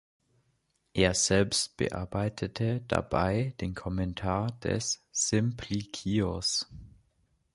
Er selbst bearbeitete dabei den Kommentar des Simplikios.